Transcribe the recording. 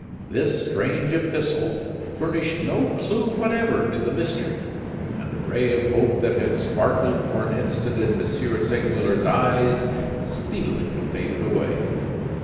This strange epistle furnished no clue whatever to the mystery; and the ray of hope that had sparkled for an instant in M. Segmuller's eyes speedily faded away.